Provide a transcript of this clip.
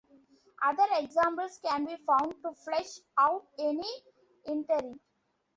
Other examples can be found to flesh out any interim.